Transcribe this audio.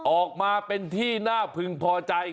ออกมาเป็นที่น่าพึงพอใจ